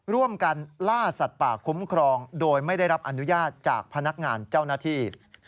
ร่วมกันล่าสัตว์ป่าคุ้มครองโดยไม่ได้รับอนุญาตจากพนักงานเจ้าหน้าที่